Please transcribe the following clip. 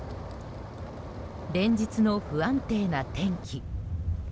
連日の不安定な天気。